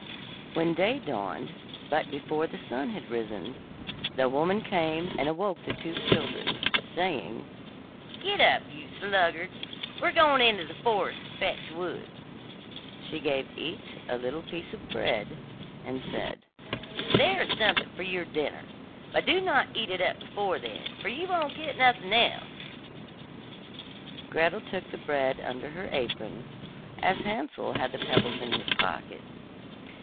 When day dawned, but before the sun had risen, the woman came and awoke the two children, saying: 'Get up, you sluggards! we are going into the forest to fetch wood.' She gave each a little piece of bread, and said: 'There is something for your dinner, but do not eat it up before then, for you will get nothing else.' Gretel took the bread under her apron, as Hansel had the pebbles in his pocket.